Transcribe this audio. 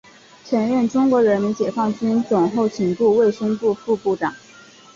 曾任中国人民解放军总后勤部卫生部副部长。